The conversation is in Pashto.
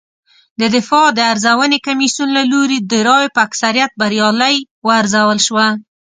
د دفاع د ارزونې کمېسیون له لوري د رایو په اکثریت بریالۍ وارزول شوه